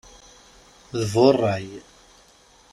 D bu ṛṛay!